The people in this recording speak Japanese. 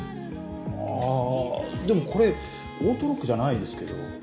ああでもこれオートロックじゃないですけど。